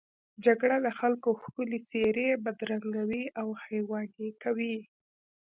جګړه د خلکو ښکلې څېرې بدرنګوي او حیواني کوي